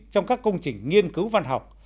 trong các công trình nghiên cứu văn học